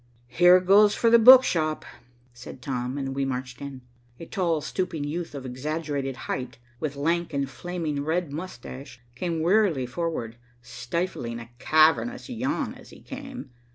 "Here goes for the book shop," said Tom, and we marched in. A tall, stooping youth of exaggerated height, with lank and flaming red moustache, came wearily forward, stifling a cavernous yawn as he came.